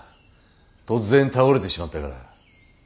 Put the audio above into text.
突然倒れてしまったから。